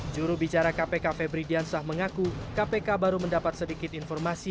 juru bicara kpk febridiansah mengaku kpk baru mendapat sedikit informasi